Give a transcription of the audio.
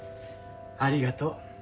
ありがとう。